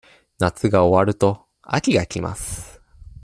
夏が終わると、秋が来ます。